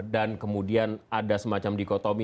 dan kemudian ada semacam dikotomi